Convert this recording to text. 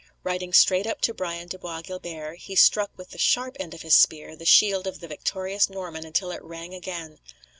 Riding straight up to Brian de Bois Guilbert, he struck with the sharp end of his spear the shield of the victorious Norman until it rang again.